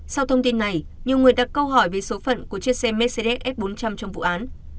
sau thông tin này nhiều người đặt câu hỏi về số phận của chiếc xe mercedes bốn trăm linh trong vụ án